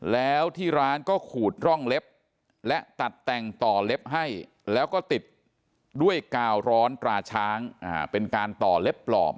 แล้วที่ร้านก็ขูดร่องเล็บและตัดแต่งต่อเล็บให้แล้วก็ติดด้วยกาวร้อนตราช้างเป็นการต่อเล็บปลอม